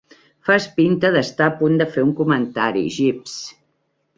Fas pinta d'estar a punt de fer un comentari, Jeeves.